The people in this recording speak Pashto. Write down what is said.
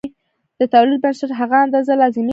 د تولید بنسټ هغه اندازه لازمي کار دی